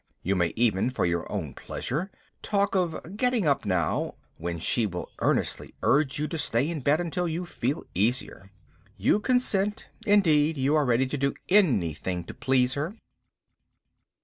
You may even (for your own pleasure) talk of getting up now, when she will earnestly urge you to stay in bed until you feel easier. You consent; indeed, you are ready to do anything to please her.